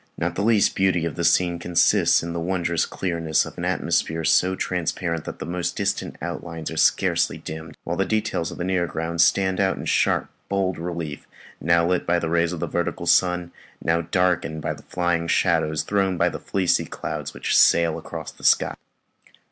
Not the least beauty of the scene consists in the wondrous clearness of an atmosphere so transparent that the most distant outlines are scarcely dimmed, while the details of the nearer ground stand out in sharp, bold relief, now lit by the rays of a vertical sun, now darkened under the flying shadows thrown by the fleecy clouds which sail across the sky.